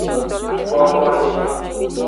Vovoli.